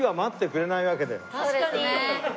確かに。